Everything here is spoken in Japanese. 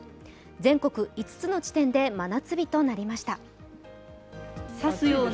全国５つの地点で真夏日となりました。